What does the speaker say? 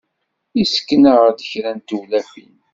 Yessken-aɣ-d kra n tewlafin.